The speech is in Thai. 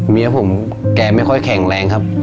เมียผมแกไม่ค่อยแข็งแรงครับ